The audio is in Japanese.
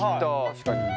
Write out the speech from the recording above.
確かに。